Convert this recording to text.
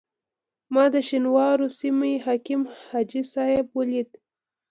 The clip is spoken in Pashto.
ما د شینوارو سیمې حکیم حاجي صاحب ولیدی.